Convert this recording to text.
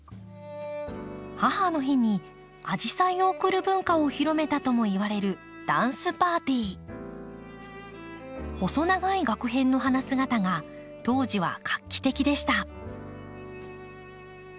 母の日にアジサイを贈る文化を広めたともいわれる細長いガク片の花姿が当時は画期的でした。